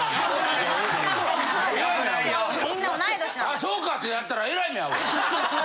「あそうか」ってなったらえらい目あうわ。